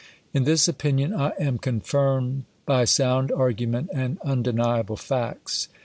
In this opinion I am con firmed by sound argument and undeniable facts.